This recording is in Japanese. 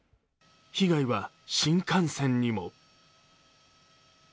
被害は新幹線にも。